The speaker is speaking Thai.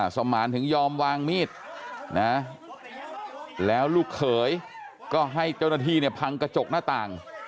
สมานถึงยอมวางมีดนะแล้วลูกเขยก็ให้เจ้าหน้าที่เนี่ยพังกระจกหน้าต่าง